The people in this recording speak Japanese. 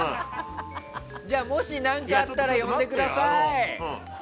じゃあ、もし何かあったら呼んでください！